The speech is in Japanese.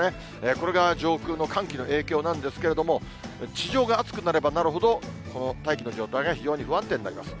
これが上空の寒気の影響なんですけれども、地上が暑くなればなるほど、この大気の状態が非常に不安定になります。